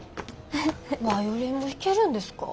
バイオリンも弾けるんですか？